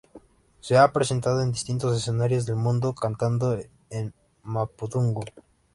Se ha presentado en distintos escenarios del mundo cantando en "mapudungun".